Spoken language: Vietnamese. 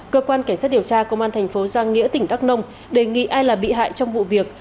cơ quan cảnh sát điều tra công an thành phố giang nghĩa tỉnh đắk nông đề nghị ai là bị hại trong vụ việc